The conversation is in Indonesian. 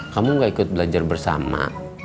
kamu gak ikut belajar bersama